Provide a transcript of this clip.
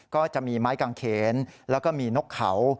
ก็จะมีไม้กางเขนแล้วก็มีนกเขา